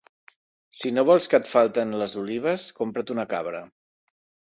Si no vols que et falten les olives, compra't una cabra.